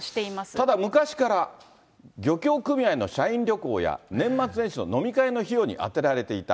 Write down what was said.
ただ、昔から漁協組合の社員旅行や年末年始の飲み会の費用に充てられていた。